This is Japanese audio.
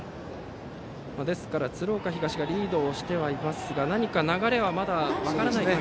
ですから、鶴岡東がリードしてはいますが何か流れは分かりませんね。